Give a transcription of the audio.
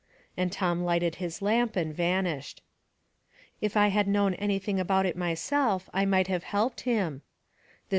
And Tom lighted his lamp and vanished. "'If I had known anything about it myself I might have helped him."